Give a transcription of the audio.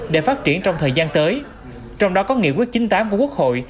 để phát triển trong thời gian tới trong đó có nghị quyết chín mươi tám của quốc hội